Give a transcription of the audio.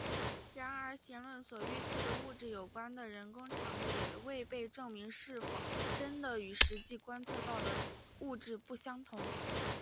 然而弦论所预测的物质有关的人工产物也未被证明是否真的与实际观测到的物质不相同。